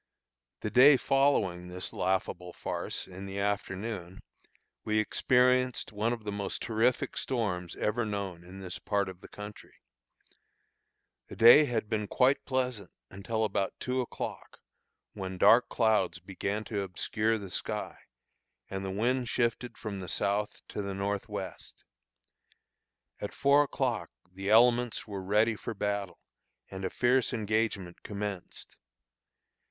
The day following this laughable farce, in the afternoon, we experienced one of the most terrific storms ever known in this part of the country. The day had been quite pleasant until about two o'clock, when dark clouds began to obscure the sky, and the wind shifted from the south to the north west. At four o'clock the elements were ready for battle, and a fierce engagement commenced.